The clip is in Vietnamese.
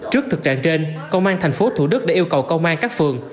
trước thực trạng trên công an thành phố thủ đức đã yêu cầu công an các phường